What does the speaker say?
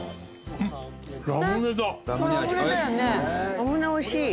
ラムネ美味しい。